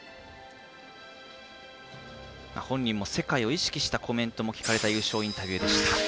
本人も世界を意識した声も聞かれた優勝インタビューでした。